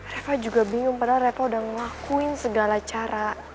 reva juga bingung padahal reva udah ngelakuin segala cara